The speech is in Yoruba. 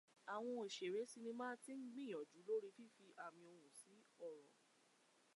Àwọn òṣèrè sinimá ti ń gbìnyànjú lórí fífi àmì ohùn sí ọ̀rọ̀.